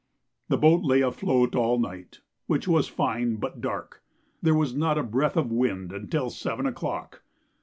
The boat lay afloat all the night, which was fine but dark. There was not a breath of wind until 7 o'clock.